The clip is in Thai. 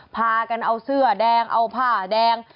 พากันเอาเสื้อแดงเอาผ้าแดง